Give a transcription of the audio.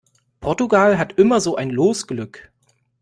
Portugal hat immer so ein Losglück!